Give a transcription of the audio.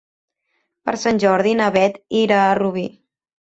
Per Sant Jordi na Beth irà a Rubí.